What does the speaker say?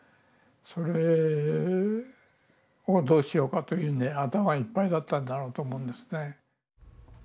それをどうしようかというので頭いっぱいだったんだろうと思うんですね。